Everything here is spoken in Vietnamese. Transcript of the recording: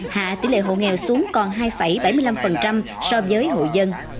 hạ tỷ lệ hộ nghèo xuống còn hai bảy mươi năm so với hộ dân